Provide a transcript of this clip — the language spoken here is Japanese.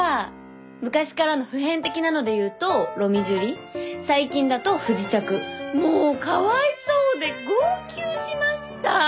昔からの普遍的なのでいうと『ロミジュリ』最近だと『不時着』もうかわいそうで号泣しました！